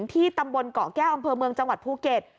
ที่ตำบลเกาะแก้วอำเภอเมืองจังหวัดภูเก็ต